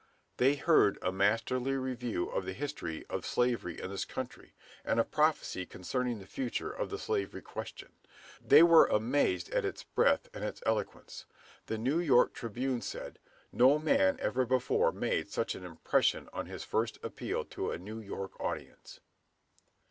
They heard a masterly review of the history of slavery in this country, and a prophecy concerning the future of the slavery question. They were amazed at its breadth and its eloquence. The "New York Tribune" said, "No man ever before made such an impression on his first appeal to a New York audience."